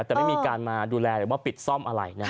แต่ไม่มีการมาดูแลหรือปิดซ่อมอะไร